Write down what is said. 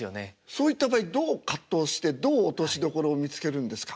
そういった場合どう葛藤してどう落としどころを見つけるんですか？